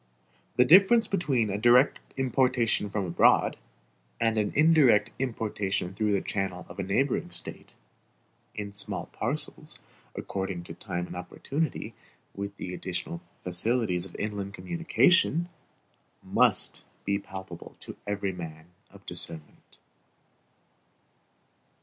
The difference between a direct importation from abroad, and an indirect importation through the channel of a neighboring State, in small parcels, according to time and opportunity, with the additional facilities of inland communication, must be palpable to every man of discernment.